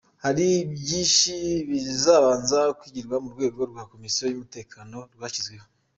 Hari byinshi bizabanza kwigirwa mu rwego rwa Komisiyo y’Umutekano twashyizeho.